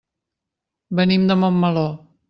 Venim de Montmeló.